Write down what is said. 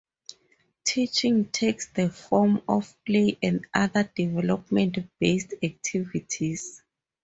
Teaching takes the form of play and other development-based activities.